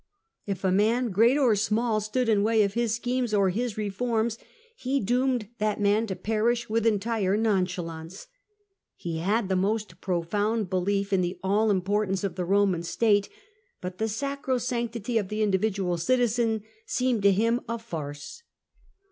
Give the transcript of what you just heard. If a man, great or small, stood in way of his schemes or his reforms, he doomed that man to perish with entire nonchalance. He had the most profound belief in the all importance of the Roman state, but the sacrosanctity of the individual citizen seemed to him a farce.